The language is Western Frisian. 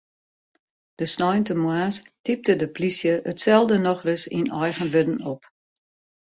De sneintemoarns typte de plysje itselde nochris yn eigen wurden op.